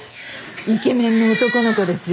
イケメンの男の子ですよ。